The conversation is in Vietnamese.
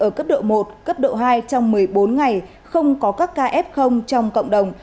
ở cấp độ một cấp độ hai trong một mươi bốn ngày không có các kf trong cộng đồng